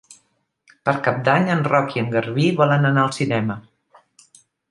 Per Cap d'Any en Roc i en Garbí volen anar al cinema.